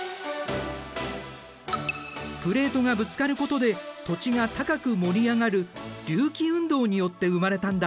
プレートがぶつかることで土地が高く盛り上がる隆起運動によって生まれたんだ。